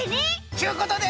ちゅうことで。